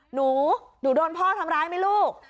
หนูหนูโดนพ่อทำร้ายไหมลูก